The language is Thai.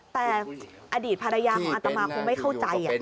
แต่อดีตภรรยาของอัตมาคงไม่เข้าใจ